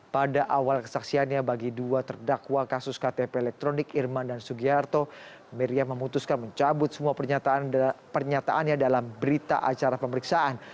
pada awal kesaksiannya bagi dua terdakwa kasus ktp elektronik irman dan sugiharto miriam memutuskan mencabut semua pernyataannya dalam berita acara pemeriksaan